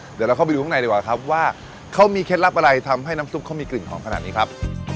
เดี๋ยวเราเข้าไปดูข้างในดีกว่าครับว่าเขามีเคล็ดลับอะไรทำให้น้ำซุปเขามีกลิ่นหอมขนาดนี้ครับ